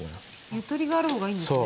ゆとりがある方がいいんですね？